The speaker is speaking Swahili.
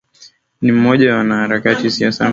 Ni mmoja wa wanaharakati wa siasa za mrengo wa Kikomunisti